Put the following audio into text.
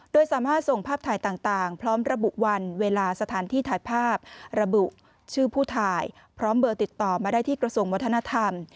โดยสามารถส่งภาพถ่ายต่างพร้อมระบุวันเวลาสถานที่ถ่ายภาพระบุชื่อผู้ถ่ายพร้อมเบอร์ติดต่อมาได้ที่กระทรวงวัฒนธรรม